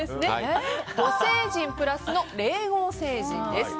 土星人プラスの霊合星人です。